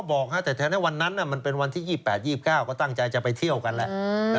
ก็บอกถ้าวันนั้นน่ะมันเป็นวันที่๒๘๒๙ตั้งใจจะไปเที่ยวกันแหละ